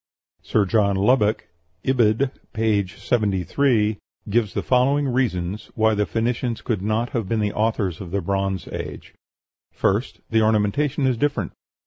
Sir John Lubbock (Ibid., p. 73) gives the following reasons why the Phoenicians could not have been the authors of the Bronze Age: First, the ornamentation is different.